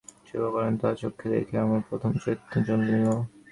তিনি তাঁহার স্বামীকে যেরকম করিয়া সেবা করেন তাহা চক্ষে দেখিয়া আমার প্রথম চৈতন্য জন্মিল।